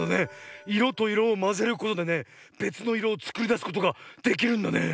いろといろをまぜることでねべつのいろをつくりだすことができるんだね。